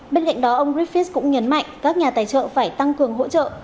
bên cạnh đó ông griffith cũng nhấn mạnh các nhà tài trợ phải tăng cường hỗ trợ